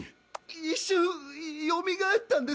一瞬よみがえったんです！